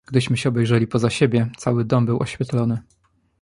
"Gdyśmy się obejrzeli poza siebie, cały dom był oświetlony."